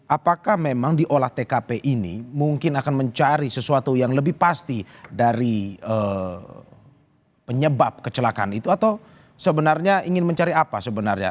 apakah memang di olah tkp ini mungkin akan mencari sesuatu yang lebih pasti dari penyebab kecelakaan itu atau sebenarnya ingin mencari apa sebenarnya